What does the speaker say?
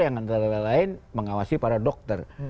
yang antara lain mengawasi para dokter